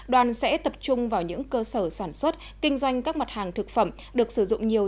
đoàn sẽ tập trung vào những cơ sở sản xuất kinh doanh các mặt hàng thực phẩm được sử dụng nhiều